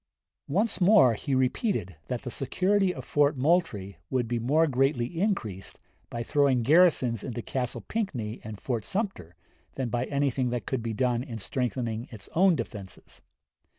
Once more he repeated that the security of Fort Moultrie would be more greatly increased by throwing garrisons into Castle Pinckney and Fort Sumter than by anything that could be done in strengthening its own defenses.